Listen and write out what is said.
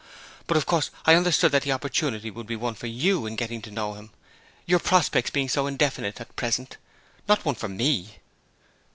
But of course I understood that the opportunity would be one for you in getting to know him, your prospects being so indefinite at present; not one for me.'